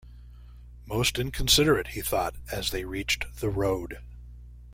Most inconsiderate, he thought, as they reached the road.